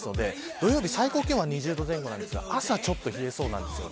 土曜日は最高気温は２０度前後ですが朝は、ちょっと冷えそうです。